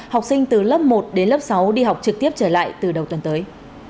học sinh từ lớp một đến lớp sáu đi học trực tiếp trở lại từ đầu tuần tới